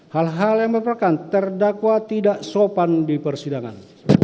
hal hal yang merupakan terdakwa tidak sopan di persidangan